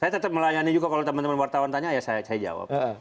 saya tetap melayani juga kalau teman teman wartawan tanya ya saya jawab